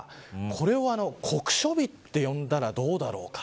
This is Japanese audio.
これを酷暑日と呼んだらどうだろうか。